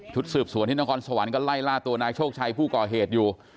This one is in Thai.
สืบสวนที่นครสวรรค์ก็ไล่ล่าตัวนายโชคชัยผู้ก่อเหตุอยู่